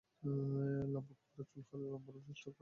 লম্বা কোঁকড়া চুল হলে লম্বার মধ্যে স্টেপ কাট বেছে নিতে পারেন।